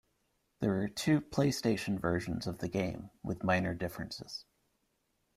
There are two PlayStation versions of the game, with minor differences.